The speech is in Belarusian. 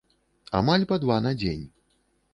Амаль па два на дзень.